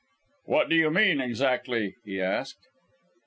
"What do you mean, exactly?" he asked.